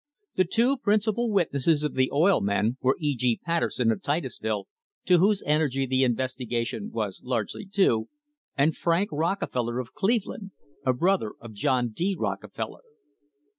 The two principal witnesses of the oil men were E. G. Patterson of Titus ville, to whose energy the investigation was largely due, and Frank Rockefeller of Cleveland, a brother of John D. Rockefeller.